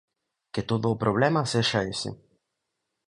¡Que todo o problema sexa ese!